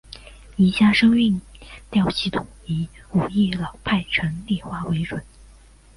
以下声韵调系统以武义老派城里话为准。